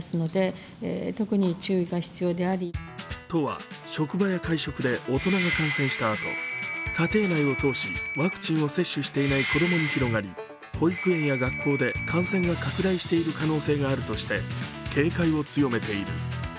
都は職場や会食で大人が感染したあと、家庭内を通し、ワクチンを接種していない子供に広がり、保育園や学校で感染が拡大している可能性があるとして警戒を強めている。